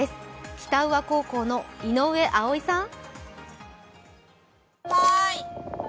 北宇和高校の井上碧さん。